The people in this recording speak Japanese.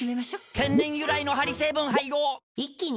天然由来のハリ成分配合一気に！